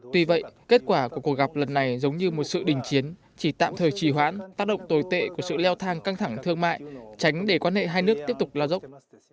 tuy vậy kết quả của cuộc gặp lần này giống như một sự đình chiến chỉ tạm thời trì hoãn tác động tồi tệ của sự leo thang căng thẳng thương mại tránh để quan hệ hai nước tiếp tục lao dốc